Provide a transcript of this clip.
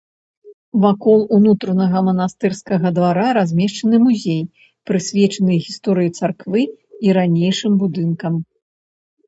Вакол ўнутранага манастырскага двара размешчаны музей, прысвечаны гісторыі царквы і ранейшым будынкам.